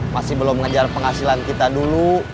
masih belum mengejar penghasilan kita dulu